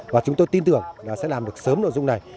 và chúng tôi tin tưởng là sẽ làm được sớm nội dung này